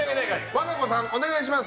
和歌子さん、お願いします。